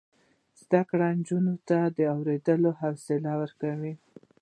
زده کړه نجونو ته د اوریدلو حوصله ورکوي.